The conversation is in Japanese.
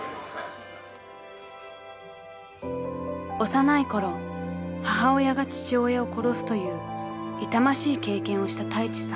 ［幼いころ母親が父親を殺すという痛ましい経験をしたタイチさん］